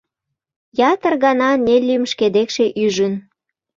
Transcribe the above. Ятыр гана Неллим шке декше ӱжын.